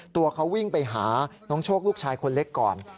ตัวเขาวิ่งไปหาน้องโชคลูกชายคนเล็กก่อน